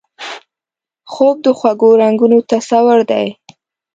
خوب د خوږو رنګونو تصور دی